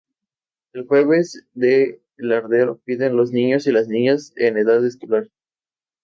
El jueves de Lardero piden los niños y las niñas en edad escolar.